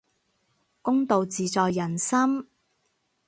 公道自在人心